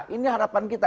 ini harapan kita